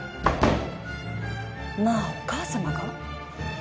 まあお母さまが？